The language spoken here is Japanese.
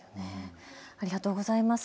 ありがとうございます。